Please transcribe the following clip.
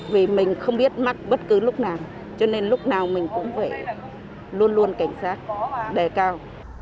vì mình không biết mắc bất cứ lúc nào cho nên lúc nào mình cũng phải luôn luôn cảnh sát đề cao